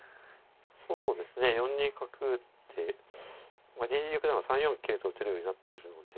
そうですね４二角打って２二玉なら３四桂と打てるようになってるので。